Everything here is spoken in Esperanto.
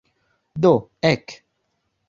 Do, ek.